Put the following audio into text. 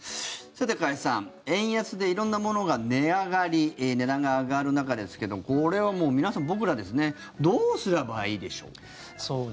さて、加谷さん円安で色んなものが値上がり値段が上がる中ですけどこれは皆さん、僕らですねどうすればいいでしょう。